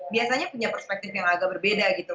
biasanya punya perspektif yang agak berbeda gitu